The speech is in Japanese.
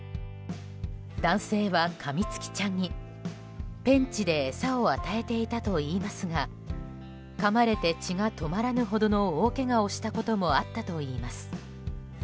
男性はカミツキちゃんにペンチで餌を与えていたといいますがかまれて、血が止まらぬほどの大けがをしたこともあったといいます。